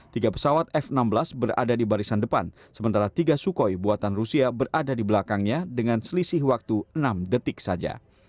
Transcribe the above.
tiga pesawat f enam belas berada di barisan depan sementara tiga sukhoi buatan rusia berada di belakangnya dengan selisih waktu enam detik saja